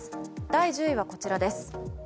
第１０位はこちらです。